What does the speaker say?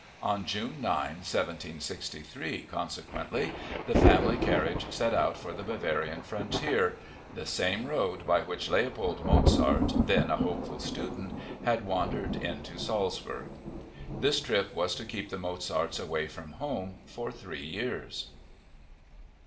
On June 9, 1763, consequently, the family carriage set out for the Bavarian frontier—"the same road by which Leopold Mozart, then a hopeful student, had wandered into Salzburg." This trip was to keep the Mozarts away from home for three years.